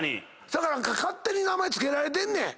勝手に名前付けられてんねん。